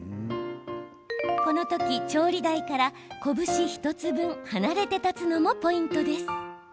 この時、調理台からこぶし１つ分、離れて立つのもポイントです。